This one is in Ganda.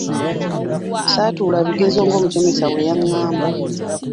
Ssaatuula bigezo ng’omusomesa bwe yangamba